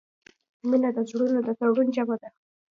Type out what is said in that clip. • مینه د زړونو د تړون جامه ده.